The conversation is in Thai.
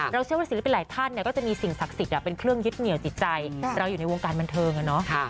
เชื่อว่าศิลปินหลายท่านก็จะมีสิ่งศักดิ์สิทธิ์เป็นเครื่องยึดเหนียวจิตใจเราอยู่ในวงการบันเทิง